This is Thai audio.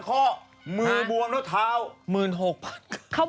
เขาบอกว่าทำคณิตศาสตร์ต้องฝึกเยอะหรือเปล่า